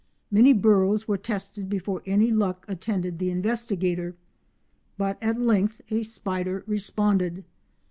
Many burrows were tested before any luck attended the investigator, but at length a spider responded.